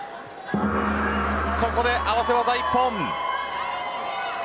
ここで合わせ技一本。